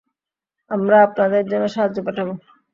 আমরা আপনাদের জন্য সাহায্য পাঠাবো।